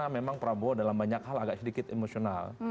karena memang prabowo dalam banyak hal agak sedikit emosional